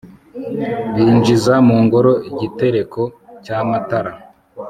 binjiza mu ngoro igitereko cy'amatara